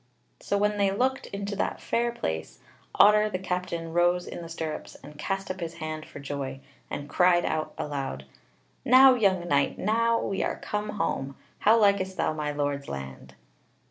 So when they looked into that fair place, Otter the Captain rose in the stirrups and cast up his hand for joy, and cried out aloud: "Now, young knight, now we are come home: how likest thou my Lord's land?"